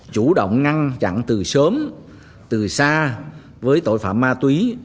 chủ động ngăn chặn từ sớm từ xa với tội phạm ma túy